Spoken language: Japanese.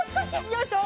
よいしょ！